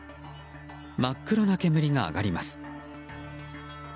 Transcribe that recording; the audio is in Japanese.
真っ黒な煙が上がります。